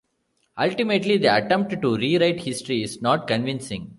Ultimately, the attempt to rewrite history is not convincing.